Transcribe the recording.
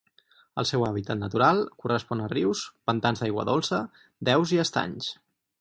El seu hàbitat natural correspon a rius, pantans d'aigua dolça, deus, i estanys.